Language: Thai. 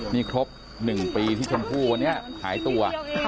นี่ครบ๑ปีที่ชมพู่วันนี้หายตัว